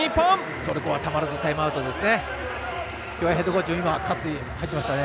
トルコはたまらずタイムアウトですね。